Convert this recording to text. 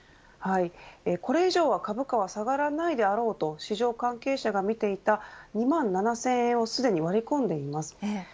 これ以上は、株価は下がらないであろうと市場関係者が見ていた２万７０００円をすでに割り込んでいます。